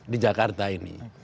di jakarta ini